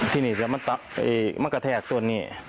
ทีนี้มันกระแทกตรงนี้